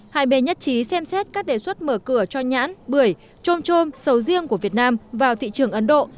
hai bên nhất trí xem xét các đề xuất mở cửa cho nhãn bưởi trôm trôm sầu riêng của việt nam vào thị trường ấn độ